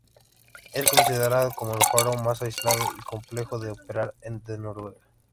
Es considerado como el faro más aislado y complejo de operar de Noruega.